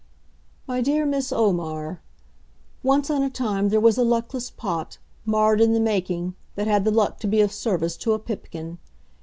"My dear Miss Omar: Once on a time there was a Luckless Pot, marred in the making, that had the luck to be of service to a Pipkin.